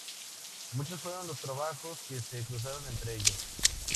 Muchos fueron los trabajos que se cruzaron entre ellos.